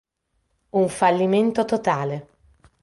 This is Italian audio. Un fallimento totale.